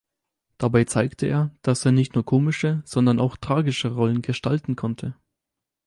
Dabei zeigte er, dass er nicht nur komische, sondern auch tragische Rollen gestalten konnte.